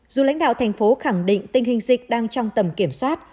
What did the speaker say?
dù lãnh đạo thành phố khẳng định tình hình dịch đang trong tầm kiểm soát